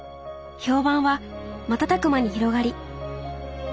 評判は瞬く間に広がり。